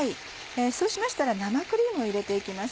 そうしましたら生クリームを入れて行きます。